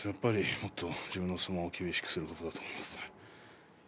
もっと自分の相撲を厳しくすることだと思います。